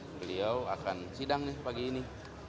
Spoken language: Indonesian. beliau akan sidang pagi ini